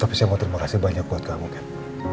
tapi saya mau terima kasih banyak buat kamu kan